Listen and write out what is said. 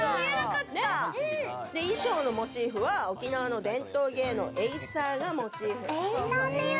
衣装のモチーフは沖縄の伝統芸能エイサーがモチーフ。